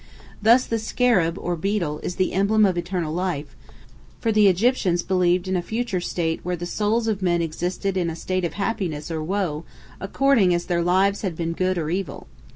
Thus the "scarab," or beetle, is the emblem of eternal life, for the Egyptians believed in a future state where the souls of men existed in a state of happiness or woe, according as their lives had been good or evil.